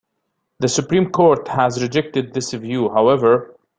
The Supreme Court has rejected this view, however.